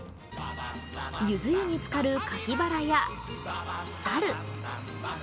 ゆず湯につかるカピバラや猿。